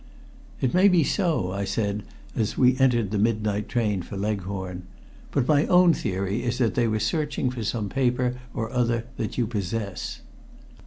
"It may be so," I said, as we entered the midnight train for Leghorn. "But my own theory is that they were searching for some paper or other that you possess."